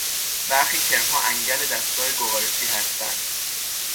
برخی کرمها انگل دستگاه گوارشی هستند.